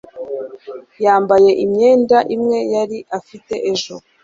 Yambaye imyenda imwe yari afite ejo